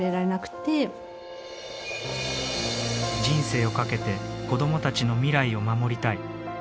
人生をかけて子どもたちの未来を守りたい。